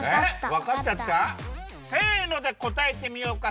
わかっちゃった？せのでこたえてみようか。